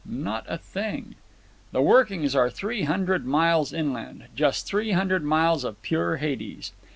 "Not a thing." "The workings are three hundred miles inland. Just three hundred miles of pure Hades.